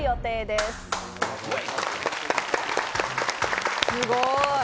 すごい。